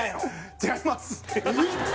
違います！